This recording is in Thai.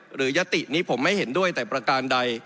ยตินี้ผมไม่เห็นด้วยแต่ประการใด